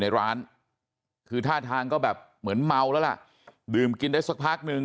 ในร้านคือท่าทางก็แบบเหมือนเมาแล้วล่ะดื่มกินได้สักพักนึง